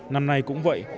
năm nay cũng vậy